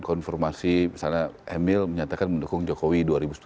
konfirmasi misalnya emil menyatakan mendukung jokowi dua ribu sembilan belas